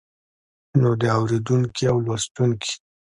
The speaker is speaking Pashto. نو د اوريدونکي او لوستونکي